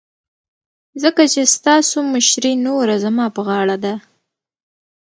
ځکه چې ستاسو مشرې نوره زما په غاړه ده.